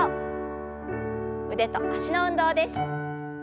腕と脚の運動です。